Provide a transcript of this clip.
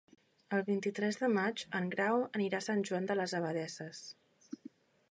El vint-i-tres de maig en Grau anirà a Sant Joan de les Abadesses.